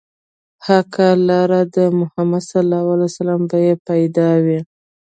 حقه لار د محمد ص به يې پيدا وي